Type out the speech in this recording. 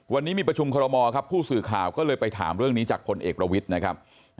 วันนี้มีประชุมคอรมอครับผู้สื่อข่าวก็เลยไปถามเรื่องนี้จากพลเอกประวิทย์นะครับ